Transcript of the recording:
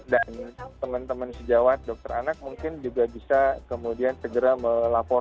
dan teman teman sejawat dokter anak mungkin juga bisa kemudian segera melapor